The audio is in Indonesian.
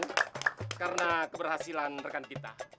dan karena keberhasilan rekan kita